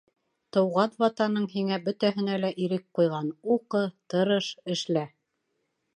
Тыуған Ватаның һиңә бөтәһенә лә ирек ҡуйған: уҡы, тырыш, эшлә!